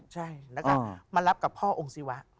ใช่แล้วก็มารับกับพ่อองค์ศิวะ